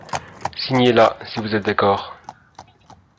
Signez là, si vous êtes d’accord.